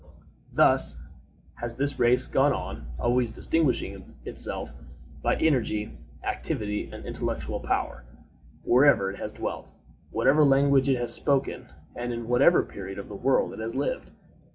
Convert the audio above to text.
Thus has this race gone on, always distinguishing itself, by energy, activity, and intellectual power, wherever it has dwelt, whatever language it has spoken, and in whatever period of the world it has lived.